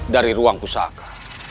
dari ruang pusaka